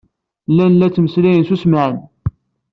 Llan la ttmeslayen s ussemɛen.